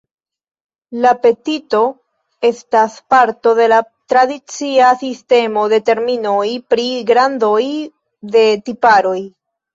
La petito estas parto de la tradicia sistemo de terminoj pri grandoj de tiparoj.